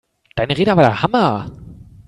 Deine Rede war der Hammer!